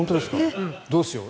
どうしよう。